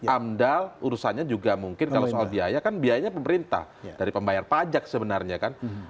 amdal urusannya juga mungkin kalau soal biaya kan biayanya pemerintah dari pembayar pajak sebenarnya kan